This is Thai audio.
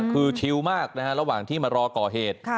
คือชิลมากนะฮะระหว่างที่มารอก่อเหตุ